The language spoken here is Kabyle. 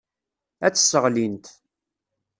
Ad tt-sseɣlint.